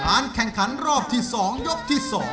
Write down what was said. แข่งขันรอบที่๒ยกที่๒